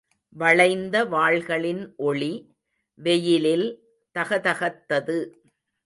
வளைந்த வாள்களின் ஒளி வெயிலில் தகதகத்தது.